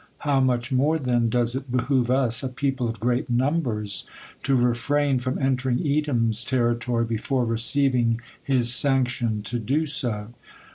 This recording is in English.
How much more then does it behoove us, a people of great numbers, to refrain from entering Edom's territory before receiving his sanction to do so!"